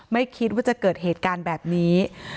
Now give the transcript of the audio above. ไม่คิดว่าจะเกิดเหตุการณ์แบบนี้